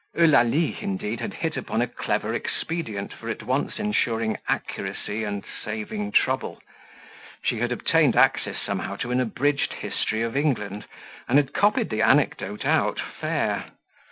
Eulalie, indeed, had hit, upon a clever expedient for at once ensuring accuracy and saving trouble; she had obtained access somehow to an abridged history of England, and had copied the anecdote out fair.